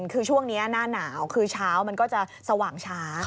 คือช่วงนี้หน้าหนาวคือเช้ามันก็จะสว่างช้า